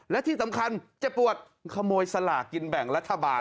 และที่สำคัญเจ็บปวดขโมยสลากินแบ่งรัฐบาล